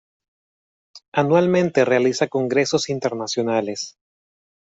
Anualmente realiza congresos internacionales.